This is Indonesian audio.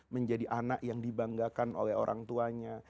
menjadi anak yang dibanggakan oleh orang tuanya